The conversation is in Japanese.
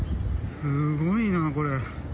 すごいな、これ。